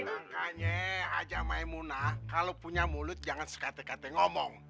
rangkanya aja maemunah kalau punya mulut jangan sekate kate ngomong